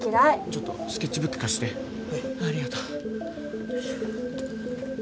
ちょっとスケッチブック貸してありがとう